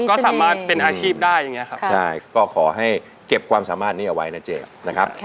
ก็สามารถเป็นอาชีพได้อย่างนี้ครับใช่ก็ขอให้เก็บความสามารถนี้เอาไว้นะเจนะครับ